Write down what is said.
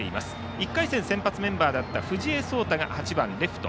１回戦先発メンバーだった藤江壮太が８番レフト。